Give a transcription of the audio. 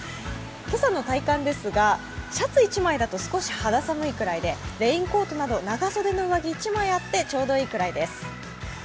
今朝の体感ですが、シャツ１枚だと少し肌寒いくらいで、レインコートなど長袖の上着１枚あってちょうどいいぐらいです。